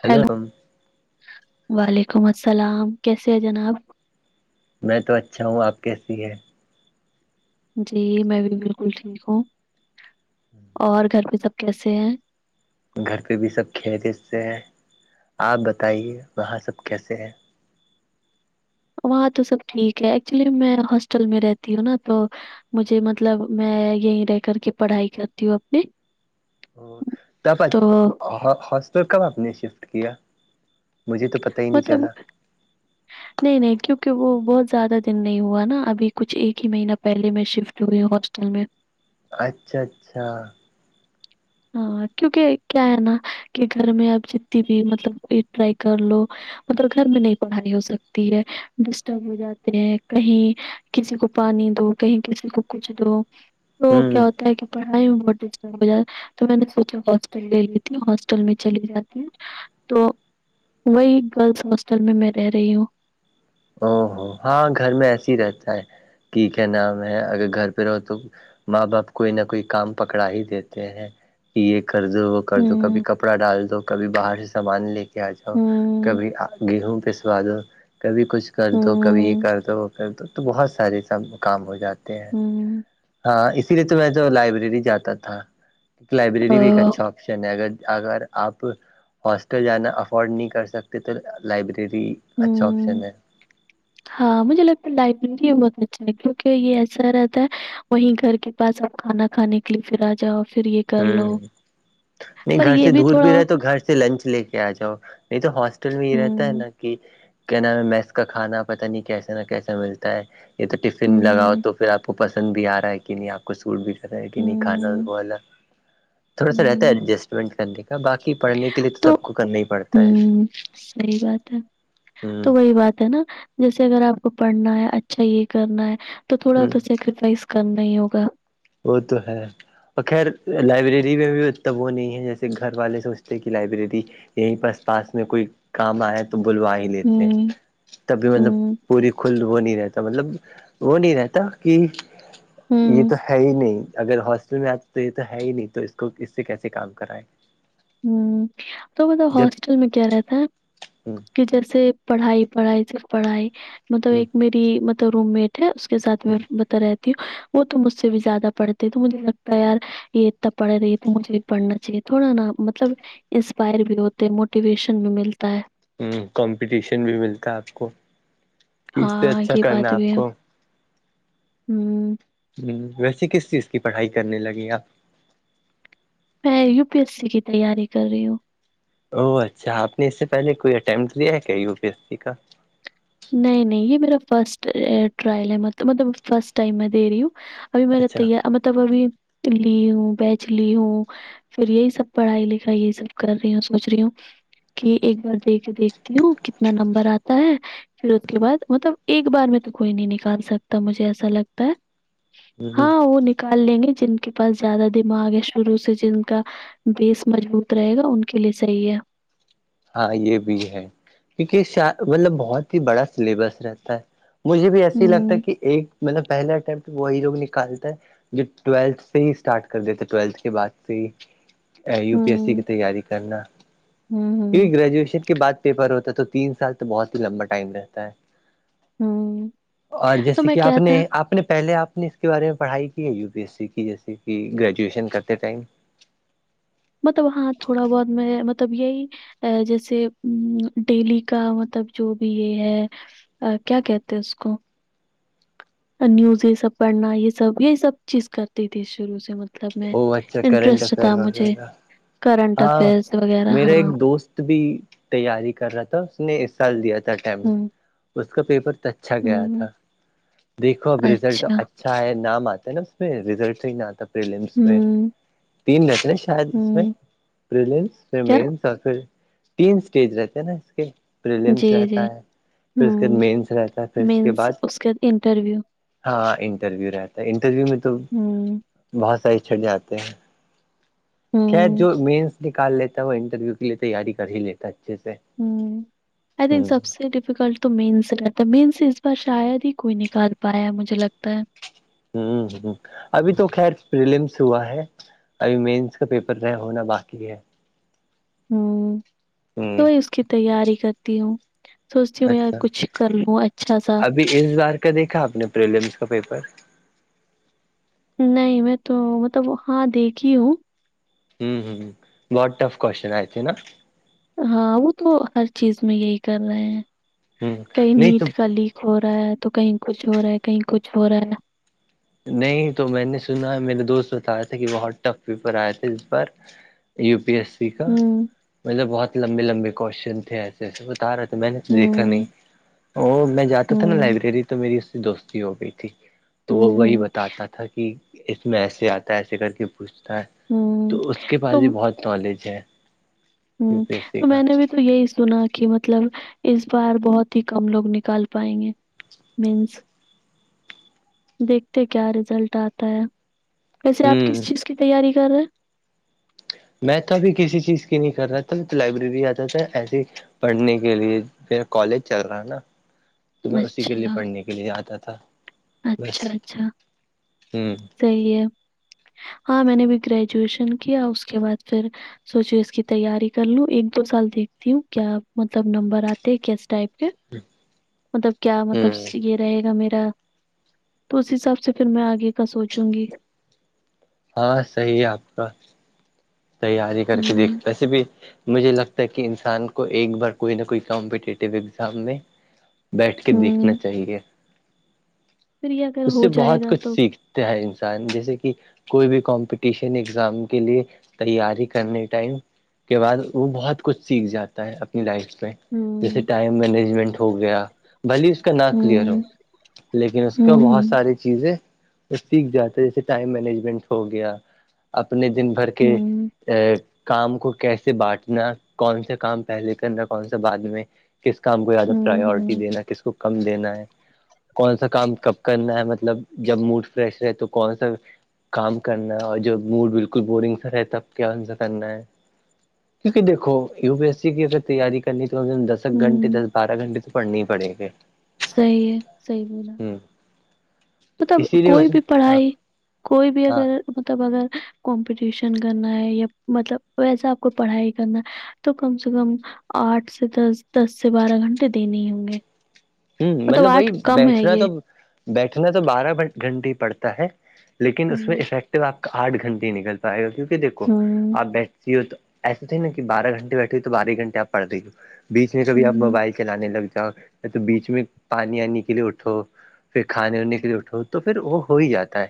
hello وعلیکم السلام کیسے ہے جناب میں تو اچھا ہوں آپ کیسی ہے جی میں بھی بالکل ٹھیک ہوں اور گھر پہ سب کیسے ہیں گھر پہ بھی سب کےتے سے ہیں آپ بتائیے وہاں سب کیسے ہیں وہاں تو سب ٹھیک ہے ایکچولی میں ہاسٹل میں رہتی ہوں نا تو مجھے مطلب میں یہیں رہ کر کے پڑھائی کرتی ہوں اپنی اب تو ہاسٹل کب آپ نے شفٹ کیا مجھے تو پتہ [unintelligible] ہی نہیں مطلب چلا نہیں نہیں کیونکہ وہ بہت زیادہ دن نہیں ہوا نا ابھی کچھ ایک ہی مہینہ پہلے میں شفٹ جوئی ہاسٹل میں اچھا اچھا ہاں کیونکہ کیا ہے نا کہ گھر میں آپ جتنی بھی مطلب ٹرائی کر لو مطلب گھر میں نہیں پڑھانی ہو سکتی ہے ڈسٹرب ہو جاتے ہیں کہیں کسی کو پانی دو کہیں کسی کو کچھ دو تو ہوں کیا ہوتا ہے کہ پڑھائی میں بہت ڈٹ ہو جات تو میں نے سوچا ہاسٹل لے لی تھی ہاسٹل میں چلی جاتی ہے تو وہی گرلس ہاسٹل میں میں رہی ہوں او ہو ہاں گھر میں ایسے ہی رہتا ہے کہ کیا نام ہے اگر گھر پہ رہو تو ماں باپ کوئی نہ کوئی کام پکڑا ہی دیتے ہیں کہ یہ کر دو وہ کر دو کبھی ہوں کپڑا ڈال دو کبھی باہر سے سامان لے کیا جاؤ ہوں کبھی گیہوں پہ سوادو کبھی کچھ کر دو کبھی یہ ہوں کر دو وہ کر دو تو بہت سارے سب کام ہو جاتاے ہوں ہاں اسی لیے تو میں تو لائبریری جاتا تھا کی ا لائبریری بھی ایک اچھاتا اگر اگر آپ ہاسٹل جانا افورڈ نہیں کر سکتے تو لائبریری اچھا ہوں آپشن ہے ہاں مجھے لگ لائبریری ہے بہت اچا ل کیونکہ یہ ایسا رہتا ہے وہیں گھر کے پاس اپ کھانا کھانے کے لیے پھر آ جاؤ پھر یہ کر لو ہوں نہیں پر گھر یہ سے دور تھوڑا بھی رہے تو گھر سے لنچ لے کے آ جاؤ نہیں تو ہاسٹل میں ہی رہتا ہے ہوں نا کہ کیا نام ہے میس کا کھانا پت نہیں کیسا نہ کیسا ملتا ہے یہ تو ٹفن لگاؤ ہوں تو پھر آپ کو پسند بھی آ رہا ہے کہ نہیں آپ کو سوٹ بھی کر رہا ہے کہ نہیں کھانا ہوں وہ والا تھوڑا سا رہتا ہے ہوں ایڈجسٹمنٹ کرنے کا باقی پڑھنے کے لیے تو سب کو کرنا ہی پڑتا ہے صحی بات ہے ہ تو وہی بات ہے نا جیسے اگر آپ کو پڑھنا ہے اچھا یہ کرنا ہے تو تھوڑا ہ تو سیکریفائس کرنا ہی ہوگا وہ تو ہے ب خیر لائبریری میں بھی ا تو وہ نہیں ہے جیسے گھر والے سوچتے کہ لائبریری یہیں پس پاس میں کوئی کام آئے تو بلوائے لیتے ہیں ہوں تبھی مطلب ہوں پوری کل وہ نہیں رہتا مطلب وہ نہیں رہتا کہ یہ ہوں تو ہے ہی نہیں اگر ہاسٹل میں آپ تو یہ تو ہے ہی نہیں تو اس کو اس سے کیسے کام کرائائے ہ تو بتاؤ جب ہاسٹل میں کیا رہتا ہے ہ کہ جیسے پڑھائی پڑھائی سے پڑھائی مطلب ہ ایک میری ملب روم مٹ ہے کے ساتھ میں بتا رہتی ہوں وہ تو مجھ سے بھی زیادہ پڑھتی ہے تو مجھے لگتا ہے یار یہتنا پڑے رہی ہے تو مجھے بھی پڑنا چاہیے تھوڑا نا ملب مطلب انسپائر بھی ہوتے ہیں موٹیویشن بھی ملتا ہے ہ کمپٹیشن بھی ملتا ہے آپ کو کہ اس سے ہاں اچھا یہ بات کرنا بھی آپ ہے کو ہوں ہ ویسے کس چیز کی پڑھائی کرنے لگے آپ میں یو پی ایس سی کی تیاری کر رہی ہوں او اچھا آپ نے اس سے پہلے کوئی امٹ لیا ہے کیا یو پی ایس سی کا نہیں نہیں یہ میرا فرسٹ ٹرل ہے مطلب فرسٹ ٹم میں دے رہی ہوں ابھی میں نے اچھا تیار مطلب ابھی لی ہوں بیچ لی ہوں پھر یہی سب پڑھائی لکھائی یہی سب کر رہی ہوں سوچ رہی ہوں کہ ایک بار دیکھ دیکھ تی ہوں کتنا نمبر آتا ہے پھر اس کے بعد مطلب ایک بار میں تو کوئی نہیں نکال سکتا مجھے ایسا لگتا ہے ہ ہ ہاں وہ نکال لیں گے جن کے پاس زیادہ دماغ ہے شروع سے جن کا بیس مضبوط رہے گا ان کے لیے صحیح ہے ہاں یہ بھی ہے کیونکہ مطلب بہت ہی بڑا سلیبس رہتا ہے مجھے بھی ایس ہی لگتا ہے ہوں کہ ایک مطلب پہلے اٹیمٹ وہی لوگ نکالتا ہے جو ٹویلتھ سے ہی اسٹارٹ کر دیتا ٹویلتھ کے بعد سے ہی یو پی ایس سی ہوں کی تیاری کرنا ہوں ہوں کیونکہ گریجویشن کے بعد پیپر ہوتا ہے تو تین سال تو بہت ہی لمبا ٹائم رہتا ہے ہوں اور تو جیسے میں کہ آپ کیا نے تھا آپ نے پہلے آپ نے کے بارے میں پڑھائی کی ہے یو پی ایس سی کی جیسے کہ گریجویشن کرتے ٹائم مطلب ہاں تھوڑا بہت میں مطلب یہی ا جیسے ڈیلی کا مطلب جو بھی یہ ہے کیا کہتے اس کو نیوز یہ سب پڑھنا یہ سب یہ سب چیز کرتی تھی شروع سے مطلب مطلب میں او اچھا کرنٹ انٹرسٹ افیئر تھا مجھے وغیرہ کرنٹ ہاں افیئرس وغیرہ میرا ہاں ایک دوست بھی تیاری کر رہا تھا اس نے اس سال دیا تھا ٹٹیم ہوں اس کا پیپر ت اچھا گیا ہوں تھا دیکھو اب ریزلٹ اچھا ہے نام آتا ہے نا اس میں رزلٹ تو ہی ن آتا پلمس میں ہوں تین نترے شاید اس میں ہوں پرلمس میں کیا مینس پھر تین اسٹیج رہتے نا اس کے جی پریلیمس رہتا جی ہے پھر اس کے بعد ہوں مینس رہتا ہے پھر اس کے مینس بعد اس کے انٹرویو ہاں انٹرویو رہتا ہے انٹرویو میں تو ہوں بہت سارے چھٹ جاتے ہیں خیر ہوں جو مینس نکال لیتا ہے وہ انٹرویو کے لیے تیاری کر ہی لیتا ہے اچھے سے ہ آئی تھنک سب ہ سے ڈفکلٹ تو مینس رہتا ہے مینس اس بار شاید ہی کوئی نکال پایا ہے مجھے لگتا ہے ہ ابھی تو خیر رلمس ہوا ہے ابھی مینس کا پیپر رہ ہونا باقی ہے ہوں ہوں تو اس کی تیاری کرتی ہوں سوچتی ہوں میں یار اچھا کچھ کر لوں اچھا سا ابھی اس بار کا دیکھا آپ نے پرلیمس کا پیپر نہیں میں تو مطلب وہاں دیکھھی ہوں ہوں ہ بہت ف کوشن آئے تھے نا ہاں وہ تو ہر چیز میں یہی کر رہے ہیں ہ کہئی نہیں تو نیٹ کا لیک ہو رہا ہے تو کہیں کچھ ہو رہا ہے کہیں کچھ ہو رہا ہے نہیں تو میں نے سنا ہے میرے دوست بتایا تھے کہ بہت ٹف پیپر آئے تھے اس پر یو پی ایس سی کا ہوں مطلب بہت لمبے لمبے کوشچن تھے ایسے جیسے بتا رہا تھا میں نے تو دیکھا نہیں ہوں اور میں جاتا تھا نا ہوں لائبریری تو میری اس دوست ہو گئی تھی تو وہ ہوں وہی ہوں بتاتا تھا کہ اس میں ایسے آتا ہے ایسے کر کے پوچھتا ہے ہوں تو اس کے پاس تو بھی بہت نالج ہے یو ہوں پی ایس سی تو کا میں نے بھی تو یہی سنا کہ مطلب اس بار بہت ہی کم لوگ نکال پائیں گے مینس دیکھتے کیا رزلٹ آتا ہے کیسے آپ ہوں کس چیز کی تیاری کر رہے میں توبھی کسی چیز کی نہیں کر رہا تھا لائبریری آتا تھا ایسے پڑھنے کے لیے پا کالج چل رہا ہے نا تو میں ہیں اسی کے لیے اچھا پڑھنے کے لیے آتا تھا بس اچھا اچھا ہوں صحیح ہے ہاں میں نےب گریجویشن کیا اس کے بعد پھر سوچو اس کی تیاری کر لوں ایک دو سال دیکھتی ہوں کیا مطلب نمبر آتے کس ٹائپ کے مطلب کیا مطلب ہوں یہ رہے گا میرا تو اس حساب سے پھر میں آگے کا سوچوں گی ہاں صحیح ہے آپ کا تییاری کر کے دیکھ ہوں ایسے بھی مجھے لگتا تاک انسان کو ایک بار کوئی نہ کوئی کمپٹیٹیو ایگزام میں بیٹھ کے دیکھنا ہوں چاہیے پھر یہ اگر اس ہو سے جائے بہت گا کچھ تو سیکھ انسان جیسے کہ کوئی بھی کمپٹیشن ایگزام کے لیے تیاری کرنے ٹائم کے بعد وہ بہت کچھ سیکھ جاتا ہے اپنی لائف پ جیسے ہوں ٹائم مینجمنٹ ہو گیا بھلی اس کا نام کلیئر ہو ہوں لیکن اس کا ہوں بہت ہوں ساری چیزیں وہ سیکھ جاتا جیسے ٹائم مینجمنٹ ہو گیا اپنے دن بھر کے ہوں کام کو کیسے بانٹنا کون سا کام پہلے کرنا کون سا بعد میں کس کام کو زیادہ پرائیورٹی ہوں دینا ہے کس کو کم دینا ہے کون سا کام کب کرنا ہے مطلب جب موڈ فریش رہ تو کون سا کام کرنا اور جب موڈ بالکل بورنگ سا رہتا کیا ان سے کرنا ہے کیونکہ دیکو یو پی ایس سی کی اگر تیاری کرنی تو دس گھنٹے ہوں دس بارہ گھنٹے تو پڑنے ہی پڑیں گے صحیح ہے صحیح بولا ہوں مطلب کوئی بھی پڑھائی کوئی بھی ہاں اگر مطلب اگر کمپٹیشن کرنا ہے یا مطلب ویسا آپ کو پڑھائی کرنا تو کم سے کم آٹھ سے دس دس سے بارہ گھنٹے دینے ہی ہوں گے ہوں مطلب بائی کم ہے بیٹھنا تو یہ بیٹھنا تو بارہ گھنٹے ہی پڑتا ہے لیکن اس میں ہوں افیکٹو آپ کا آٹھنٹے نکل پائے گا کیونکہ دھو ہاں آپ بیٹھتی ہو تو ایسے تھے نا کہ بارہ گھنٹے بیٹھے ہو تو بارہ ہی گنٹے آپ پڑھی ہو بیچ میں کبھی آپ ہوں موبائل چلانے لگ جاؤ یا تو بیچ میں پانی آنے کے لیے اٹھو پھر کھانے واننے کے لیے اٹھو تو پھر وہ ہو ہی جاتا ہے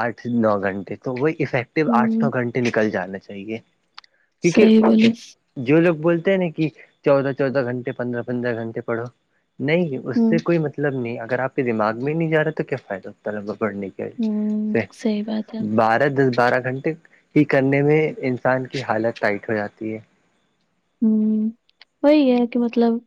آٹھ نو گھنٹے تو وہ افیکٹیو آٹھ نو ہوں گھنٹے نکل جانا چاہیے صحیح کیونکہ بولی جو لوگ بولتے ہیں نا کہ چودہ چودہ گھنٹے پندرہ پندرہ گھنٹے پڑو نہیں اس سے ہوں کوئی مطلب مطلب نہیں اگر آپ کے دماغ میں نہیں جا رہا تو کیا فائد ہو طلبا بڑنے ہوں کا صحیح بات ہے بارہ دس بارہ گھنٹے ہی کرنے میں انسان کی حالت ٹائٹ ہو جاتی ہے ہوں وہی ہے کہ مطلب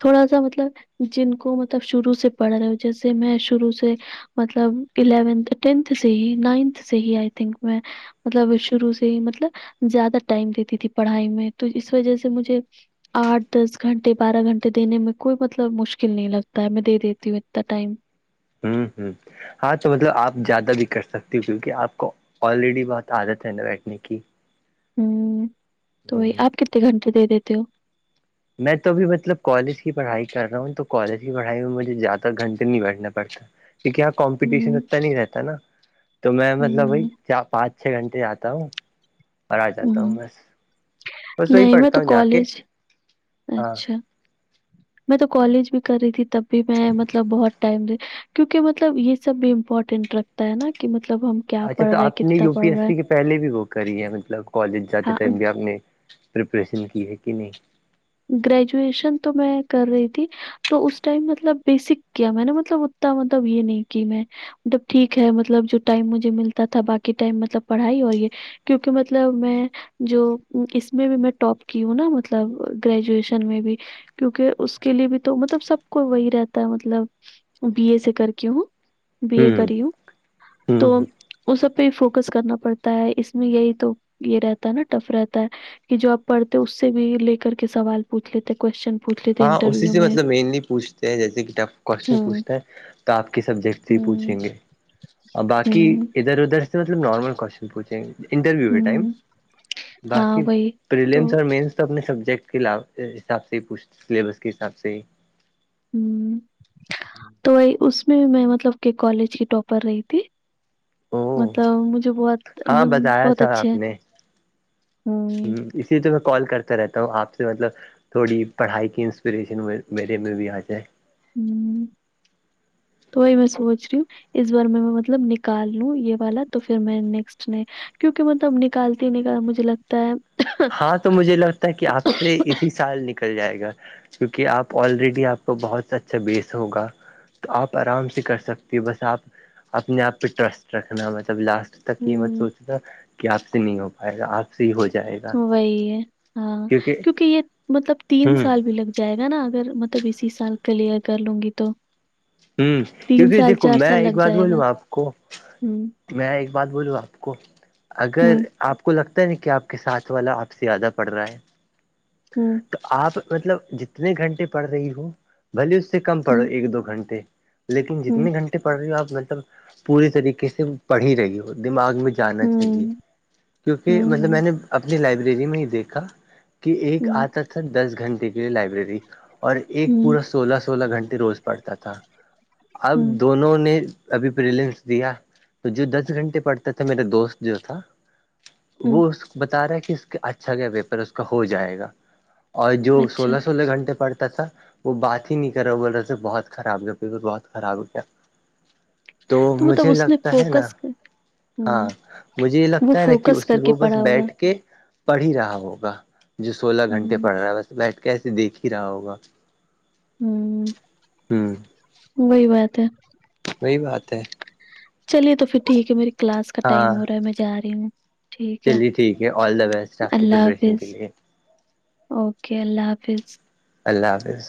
تھوڑا سا مطلب جن کو مطلب شروع سے پڑھ رہے ہو جیسے میں شروع سے مطلب اون ٹینتھ سے ہی نائنتھ سے ہی آئی تھنک میں مطلب شروع سے ہی مطلب زیادہ ٹائم دیتی تھی پڑھائی میں تو اس وجہ سے مجھے آٹھ دس گھنٹے بارہ گھنٹے دینے میں کوئی مطلب مشکل نہیں لگتا ہے میں دے دیتی ہوں اتنا ٹائم ہوں ہوں ہاں تو مطلب آپ زیادہ بھی کر سکتی ہو کیونکہ آپ کو آلریڈی بہت عادت ہے نا بیٹھنے کی ہوں تو ہ وہی آپ کتنے گھنٹے دے دیتے ہو میں تو بھیھی مطلب کالج کی پڑھائی کر رہا ہوں تو کالج کی پڑھائی میں مجھے زیادہ گھنٹے نہیں بیٹھنا پڑتا کیا کمپٹیشن ہوں، اتتا نہیں رہتا نا تو میں مطلب ہوں، وہی چار پانچ چھ گھنٹے جاتا ہوں پر آ جاتا ہوں بس وہی نہیں میں پڑھتا تو ہوں جا کے کالج ہاں اچھا میں تو کالج بھی کر رہی تھی تب بھی میں مطلب بہت ٹائم دے کیونکہ مطلب یہ سب بھی امپورٹنٹ رکھتا ہے نا کہ مطلب ہم کیا اچھا پڑھ تو رہے ہیں آپ نے کتنا یو پی پڑھ ایس رہے ہیں سی کے پہلے بھی وہ کری ہے مطلب کالج جاتے ہاں ٹائم بھی آ نے پرریپریشن کی ہے کہ نہیں گریجویشن تو میں کر رہی تھی تو اس ٹائم مطلب بیسک کیا میں نے مطلب اتنا مطلب یہ نہیں کہ میں جب ٹھیک ہے مطلب جو ٹائم مجھے ملتا تھا باقی ٹائم مطلب پڑھائی اور یہ کیونکہ مطلب میں جو اس میں بھی میں ٹاپ کی ہوں نا مطلب گریجویشن میں بھی کیونکہ اس کے لیے بھی تو مطلب سب کو وہی رہتا ہے مطلب بی اے سے کر کے ہوں بی ا کری ہوں تو ہوں اس سب پہ فوکس کرنا پڑتا ہے اس میں یہی تو یہ رہتا ہے نا ٹف رہتا ہے کہ جو آپ پڑھتے اس سے بھی لے کر کے سوال پوچھ لیتے کوشچن پوچھ لیتے ہاں اسی انٹرویو سے میں مطلب مینلی پوچھتے ہیں جیسے کہ ٹف کوشچن ہوں پوچھتا ہیں تو آپ کے سبجیکٹ سے ہی ہوں پوچھیں گے اور باقی ہوں ادھر ادھر مطلب نارمل کوشن کوچ انٹرویو پ ٹائم ہوں باقی ہاں وہی تو پرلیمس اور مس تو اپنے سبجیکٹ کے حساب سے ہی پوچھ سلیبس کے حساب سے ہی ہ تو اس میں میں مطلب کہ کالج کی ٹاپر رہی تھی او مطلب مجھے بہت ہاں من بتایا بہت تھا اچھے آپ ہیں نے ہ اسی لیے تو میں کال کرتا رہتا ہوں آپ سے مطلب تھوڑی پڑھائی کی انسپریشن میرے میں بھی آ جائے ہوں تو میں سوچ رہیوں اس بار میں مطلب نکال لوں یہ والا تو پھر میں نیکسٹ نے کیونکہ مطلب نکالتی ہی نکال مجھے لگتا ہے ہاں تو مجھے لگتا ہے کہ آپ سے اسی سال نک نکل جائے گا کیونکہ آپ آلریڈی آپ کو بہت اچھا بیس ہوگا تو آپ آرام سے کر سکتی ہو بس آپ اپنے آپ پہ ٹرسٹ رکھنا مطلب لاسٹ تک یہ مت ہوں سوچنا کہ آپ سے نہیں ہو پائے گا آپ سے ہی ہو جائے گا وہی ہے ہاں کیونکہ یہ مطلب تین ہوں سال بھی لگ جائے گا نا اگر مطلب اسی سال کلیئر کر لوں گی تو ہوں تین کیونکہ سال دیکھو چار میں سال ایک لگ بات جائے گا بولوں آپ کو ہوں میں ایک بات بولوں آپ کو اگر ہوں آپ کو لگتا ہے کہ آپ کے ساتھ والا آپ سے زیادہ پڑ رہا ہے ہوں آپ مطلب جتنے گھنٹے پڑھ رہی ہو بھلیے اس سے کم پڑھو ہوں ایک دو گھنٹے لیکن ہوں جتنے گھنٹے پڑھ رہی ہو آپ مطلب پوری طریقے سے پڑ ہی رہی ہو دماغ میں جانا چاہے ہوں کیونکہ ہوں مطلب میں ہوں نے اپنی لائبریری میں ہی دیکھا کہ ایک ہوں آتا تھا دس گھنٹے کے لیے لائبریری اور ایک ہوں پورا سولہ سولہ گھنٹے روز پڑتا تھا اب ہوں دونوں نے ابھی پلنس دیا تو جو دس گھنٹے پڑتا تھا میرا دوست جو تھا وہ ہوں اس کو بتا رہا ہے کہ اس کا اچھا کیا ویپر اس کا ہو جائے گا اور جو اچھا سولہ سولہ گھنٹے پڑتا تھا وہ بات ہی نہیں کرا بول رہے تھے بہت خراب جو بہت خراب ہو گیا تو مطلب مجھے اس نے لگتا ہے نا فوکس ہاں ہوں مجھے یہ وہ لگتا ہے نا کہ فوکس اس سے کر کے وہ بس پڑھا ہوگا بیٹھ کے پڑھ ہی رہا ہوگا جو سولہ گھنٹے ہوں پڑھ رہا ہے بس بیٹھ کے ایسے دیکھ ہی رہا ہوگا ہوں ہوں وہی بات ہے وہی بات ہے چلیے تو پھر ٹھیک ہے میری کلاس کا ٹائم ہاں ہو رہا ہے میں جا رہی ہوں ٹھیک ہے چلیے ٹھیک ہے آل دا بیسٹ آپ کے اللہ پریپریشن کے حافظ لیے اوکے اللہ حافظ اللہ حافظ